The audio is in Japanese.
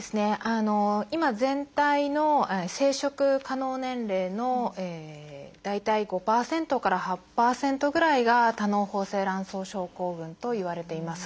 今全体の生殖可能年齢の大体５％から８％ぐらいが多嚢胞性卵巣症候群といわれています。